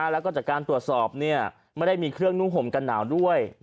แล้วก็จากการตรวจสอบไม่ได้มีเครื่องนุ่งห่มกันหนาวด้วย